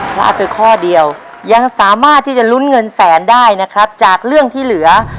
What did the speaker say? พลาดไปข้อเดียวยังสามารถที่จะลุ้นเงินแสนได้นะครับจากเรื่องที่เหลือ